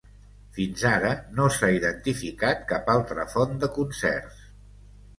Fins ara no s'ha identificat cap altra font de concerts.